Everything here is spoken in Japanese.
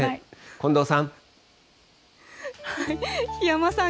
近藤さん。